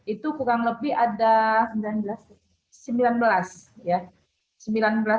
itu kurang lebih ada sembilan belas